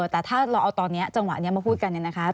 แต่ถ้าเราเอาตอนนี้จังหวะนี้มาพูดกันเนี่ยนะคะ